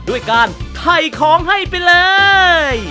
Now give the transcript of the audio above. ด้วยการไถ่ของให้ไปเลย